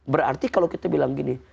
berarti kalau kita bilang gini